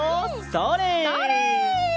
それ！